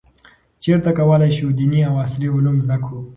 چیرته کولای شو دیني او عصري علوم زده کړو؟